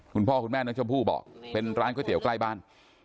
คุณพ่อคุณแม่น้องชมพู่บอกเป็นร้านก๋วยเตี๋ยวใกล้บ้าน